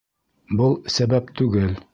Был сәбәп түгел.